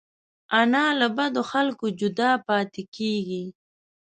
انا له بدو خلکو جدا پاتې کېږي